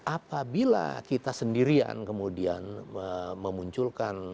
apabila kita sendirian kemudian memunculkan